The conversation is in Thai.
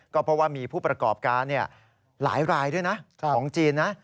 ก็เพราะว่ามีผู้ประกอบการหลายรายด้วยนะของจีนนะ